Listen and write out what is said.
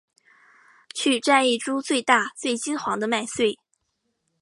去摘一株最大最金黄的麦穗